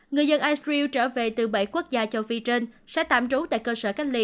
người dân irew trở về từ bảy quốc gia châu phi trên sẽ tạm trú tại cơ sở cách ly